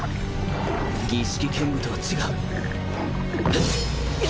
儀式剣舞とは違う